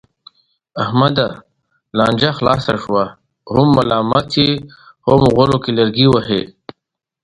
احمده! لانجه خلاصه شوه، هم ملامت یې هم غولو کې لرګی وهې.